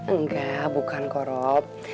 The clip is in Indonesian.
enggak bukan kok rob